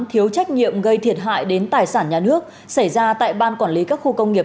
thiếu trách nhiệm gây thiệt hại đến tài sản nhà nước xảy ra tại ban quản lý các khu công nghiệp